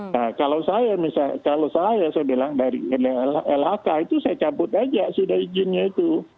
nah kalau saya saya bilang dari lhk itu saya cabut aja sudah izinnya itu